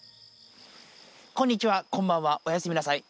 こんにちはこんばんはおやすみなさい。